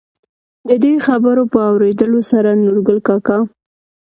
د دې خبرو په اورېدلو سره نورګل کاکا،